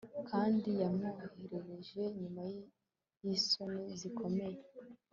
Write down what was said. kandi yamworohereje nyuma yisoni zikomeye